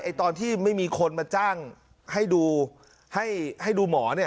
ตอนที่ไม่มีคนมาจ้างให้ดูให้ดูหมอเนี่ย